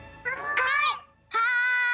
はい！